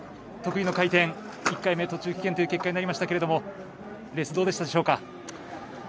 得意の回転１回目途中棄権という結果になりましたがレース、どうでしたでしょうか。